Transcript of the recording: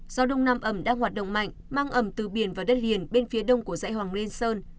gió đông nam ẩm đang hoạt động mạnh mang ẩm từ biển và đất liền bên phía đông của dãy hoàng lên sơn